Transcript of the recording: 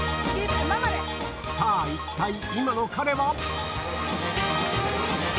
さぁ一体今の彼は？